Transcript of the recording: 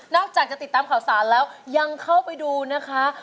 จากจะติดตามข่าวสารแล้วยังเข้าไปดูนะคะ